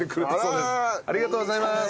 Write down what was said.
ありがとうございます。